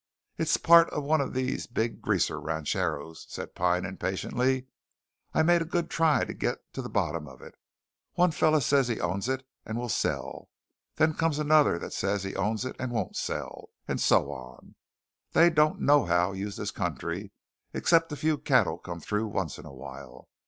"It's part of one of these big Greaser ranchos," said Pine impatiently. "I made a good try to git to the bottom of it. One fellar says he owns it, and will sell; then comes another that says he owns it and won't sell. And so on. They don't nohow use this country, except a few cattle comes through once in a while.